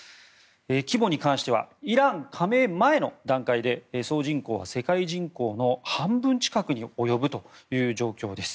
規模に関してはイラン加盟前の段階で総人口は世界人口の半分近くに及ぶという状況です。